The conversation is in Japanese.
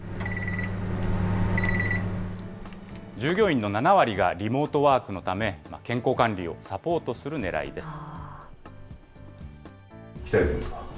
従業員の７割がリモートワークのため、健康管理をサポートするねらいです。